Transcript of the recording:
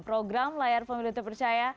program layar pemilu terpercaya